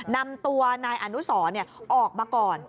นำตัวนายอนุสรออกมาก่อน